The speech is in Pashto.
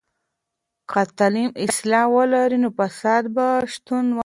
که تعلیم اصلاح ولري، نو فساد به شتون ونلري.